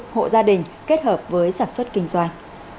hộ gia đình kết hợp với sản xuất kinh doanh